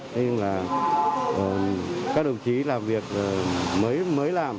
nhưng mà các đồng chí làm việc mới làm